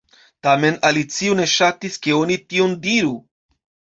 Tamen Alicio ne ŝatis ke oni tion diru.